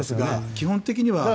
基本的には。